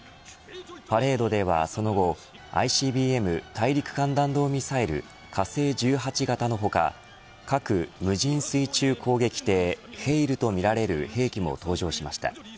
パレードではその後ＩＣＢＭ大陸間弾道ミサイル火星１８型の他核無人水中攻撃艇ヘイルとみられる兵器も登場しました。